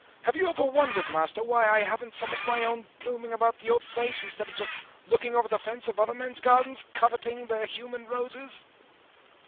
Have you ever wondered, Master, why I haven't some of my own blooming about the old place instead of just looking over the fence of other men's gardens, coveting their human roses?"